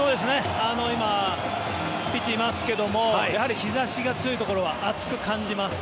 今、ピッチにいますけどもやはり日差しが強いところは暑く感じます。